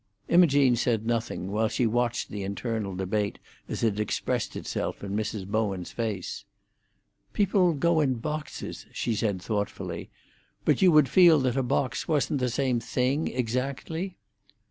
Imogene said nothing, while she watched the internal debate as it expressed itself in Mrs. Bowen's face. "People go in boxes," she said thoughtfully; "but you would feel that a box wasn't the same thing exactly?"